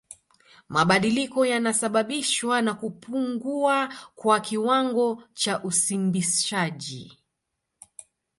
Mabadiliko yanasababishwa na kupungua kwa kiwango cha usimbishaji